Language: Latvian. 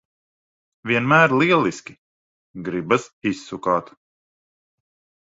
Vienmēr lieliski! Gribas izsukāt.